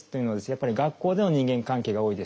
やっぱり学校での人間関係が多いです。